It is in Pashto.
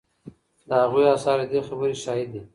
د هغوی اثار د دې خبرې شاهد دي